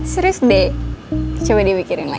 serius deh coba dipikirin lagi